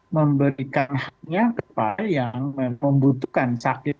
memberikan haknya kepada yang membutuhkan sakit